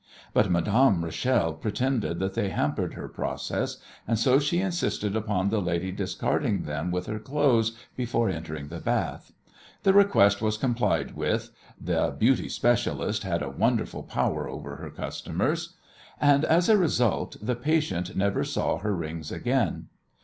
But Madame Rachel pretended that they hampered her process, and so she insisted upon the lady discarding them with her clothes before entering the bath. The request was complied with the "beauty specialist" had a wonderful power over her customers and as a result the "patient" never saw her rings again.